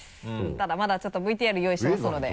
ただまだちょっとＶＴＲ用意してますので。